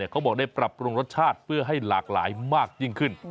เขาบอกได้ปรับปรุงรสชาติเพื่อให้หลากหลายมากยิ่งขึ้น